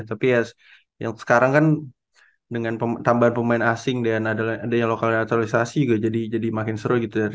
tapi ya yang sekarang kan dengan tambahan pemain asing dan adanya lokal yang aktualisasi juga jadi makin seru gitu